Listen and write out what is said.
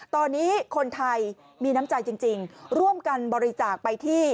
ตอนนี้คนไทยมีน้ำใจจริงร่วมกันบริจาคไปที่